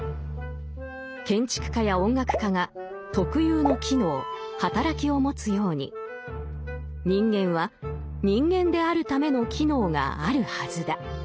建築家や音楽家が特有の機能働きを持つように人間は人間であるための機能があるはずだ。